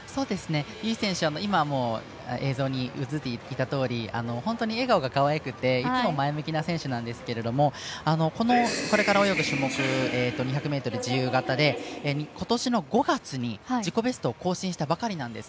由井選手、今の映像に映っていたとおり笑顔がかわいくていつも前向きな選手ですがこれから泳ぐ種目２００ｍ自由形で今年の５月に自己ベストを更新したばかりなんです。